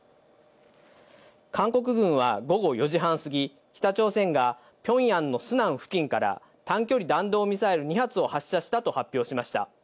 韓国軍は午後４時半過ぎ、北朝鮮がピョンヤンのスナン付近から、短距離弾道ミサイル２発を発射したと発表しました。